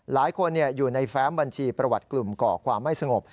หลายคนอยู่ในแฟ้มบัญชีประวัติกลุ่มก่อความไม่สงบ